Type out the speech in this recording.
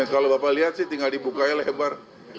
kalau bapak lihat sih tinggal dibukanya lebar